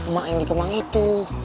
mama yang di kemang itu